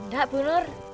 indah bu nur